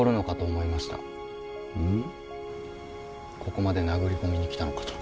ここまで殴り込みに来たのかと。